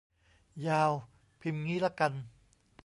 ยาว พิมพ์งี้ละกัน